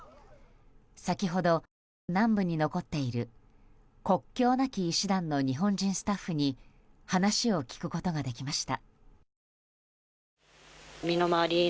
先ほど南部に残っている国境なき医師団の日本人スタッフに話を聞くことができました。